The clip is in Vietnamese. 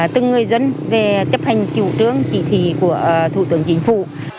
từng người dân về chấp hành chủ trương chỉ thị của thủ tướng chính phủ